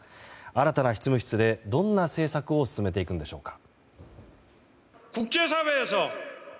新たな執務室でどんな政策を進めていくのでしょうか。